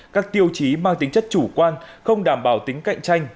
các tiêu chí mang tính chất chủ quan không đảm bảo tính cạnh tranh